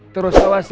terus awasi ya